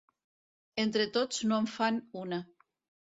Entre tots no en fan una.